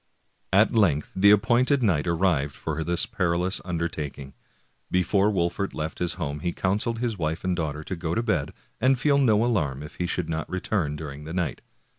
At length the appointed night arrived for this perilous undertaking. Before Wolfert left his home he counseled his wife and daughter to go to bed, and feel no alarm if he should not return during the night.